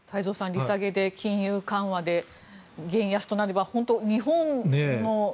利下げで金融緩和で元安となれば本当、日本。